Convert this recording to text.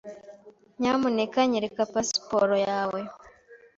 Nyamuneka nyereka pasiporo yawe.